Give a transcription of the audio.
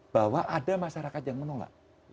bahwa ada masyarakat yang menolak